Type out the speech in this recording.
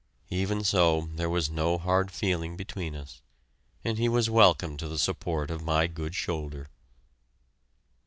Even so, there was no hard feeling between us, and he was welcome to the support of my good shoulder!